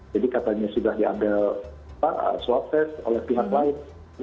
jadi katanya sudah diambil swab test oleh pihak lain